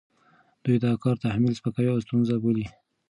دوی دا کار تحمیل، سپکاوی او ستونزه بولي،